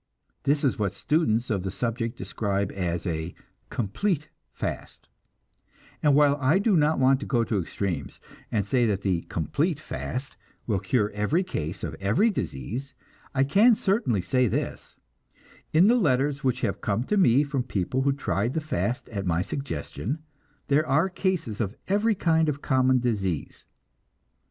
This is what students of the subject describe as a "complete fast," and while I do not want to go to extremes and say that the "complete fast" will cure every case of every disease, I can certainly say this: in the letters which have come to me from people who tried the fast at my suggestion, there are cases of every kind of common disease.